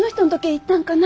行ったんかな？